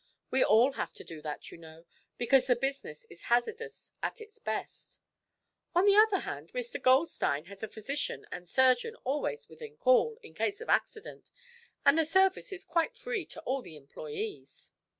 We all have to do that, you know, because the business is hazardous at its best. On the other hand, Mr. Goldstein has a physician and surgeon always within call, in case of accident, and the service is quite free to all the employees."